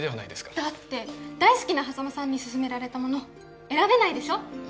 だって大好きな波佐間さんに薦められたもの選べないでしょ